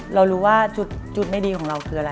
เรารู้ว่าจุดไม่ดีของเราคืออะไร